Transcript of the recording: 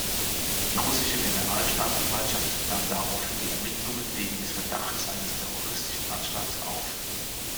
Die russische Generalstaatsanwaltschaft nahm daraufhin die Ermittlungen wegen des Verdachts eines terroristischen Anschlags auf.